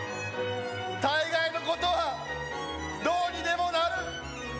大概のことはどうにでもなる。